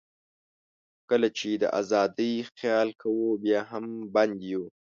کله چې د آزادۍ خیال کوو، بیا هم بند یو.